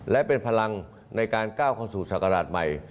และเป็นพลังในการก้าวความสู่ศักรรหัฐใหม่